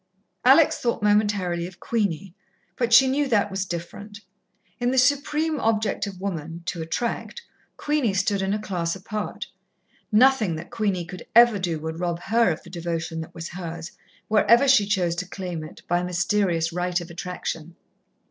Alex thought momentarily of Queenie, but she knew that was different. In the supreme object of woman, to attract, Queenie stood in a class apart. Nothing that Queenie could ever do would ever rob her of the devotion that was hers, wherever she chose to claim it, by mysterious right of attraction.